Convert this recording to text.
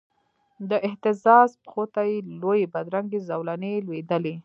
د اهتزاز پښو ته یې لویي بدرنګې زولنې لویدلې